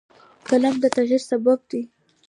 قلم د تغیر سبب دی